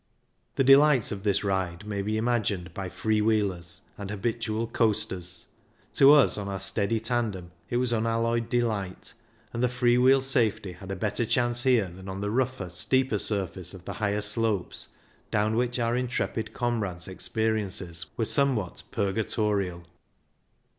The de lights of this ride may be imagined by " free wheelers " and habitual coasters ; to us on our steady tandem it was unalloyed delight, and the free wheel safety had a better chance here than on the rougher, steeper surface of the higher slopes, down which our intrepid comrade's experiences were somewhat purgatorial.